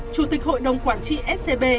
chủ tịch hội đồng quản trị scb